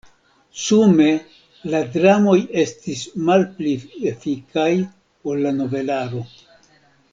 Sume la dramoj estis malpli efikaj ol la novelaro.